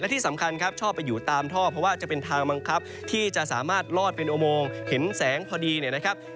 ที่สำคัญครับชอบไปอยู่ตามท่อเพราะว่าจะเป็นทางบังคับที่จะสามารถลอดเป็นอุโมงเห็นแสงพอดีเนี่ยนะครับ